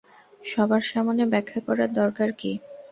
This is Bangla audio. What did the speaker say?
সবার সামনে ব্যাখ্যা করার দরকার কী?